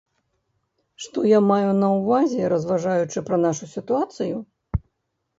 Што я маю на ўвазе, разважаючы пра нашу сітуацыю?